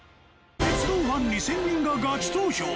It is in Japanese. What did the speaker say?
『鉄道ファン２０００人がガチ投票！